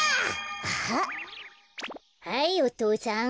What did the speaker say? あっはいお父さん。